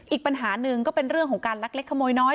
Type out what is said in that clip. อีกปัญหาหนึ่งก็เป็นเรื่องของการลักเล็กขโมยน้อย